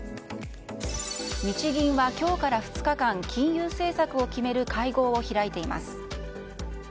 日銀は今日から２日間金融政策を決める会合を開いています。